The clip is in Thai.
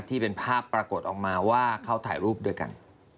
ที่เป็นภาพปรากฏออกมาว่าเขาถ่ายรูปด้วยกัน